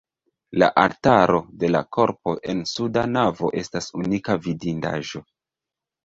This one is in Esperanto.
La altaro de la korpo en suda navo estas unika vidindaĵo.